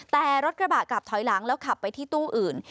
แต่รถกระบะกลับถอยหลังแล้วขับไปที่ตู้อื่น